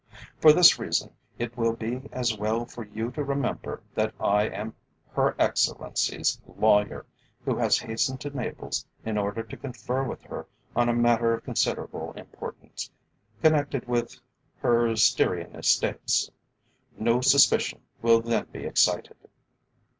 For this reason it will be as well for you to remember that I am her Excellency's lawyer, who has hastened to Naples in order to confer with her on a matter of considerable importance, connected with her Styrian estates. No suspicion will then be excited."